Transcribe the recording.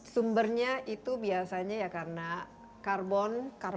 sumbernya itu biasanya ya karena karbon